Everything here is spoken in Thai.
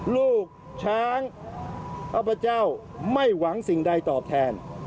ลูกช้างข้าพเจ้าไม่หวังสิ่งใดตอบแทน